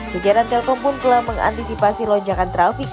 jajaran telkom pun telah mengantisipasi lonjakan trafik